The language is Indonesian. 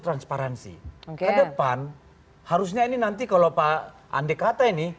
transparansi ke depan harusnya ini nanti kalau pak andi kata ini